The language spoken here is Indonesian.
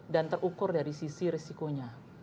dan terukur dari sisi risikonya